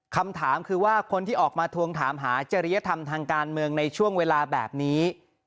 คำถามคือว่าคนที่ออกมาทวงถามหาจริยธรรมทางการเมืองในช่วงเวลาแบบนี้